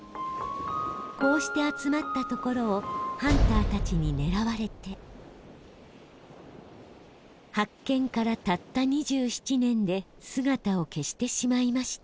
こうして集まったところをハンターたちにねらわれて発見からたった２７年で姿を消してしまいました